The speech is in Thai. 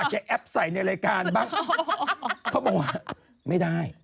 เขาบอกว่าไม่ได้